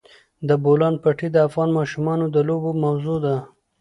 د بولان پټي د افغان ماشومانو د لوبو موضوع ده.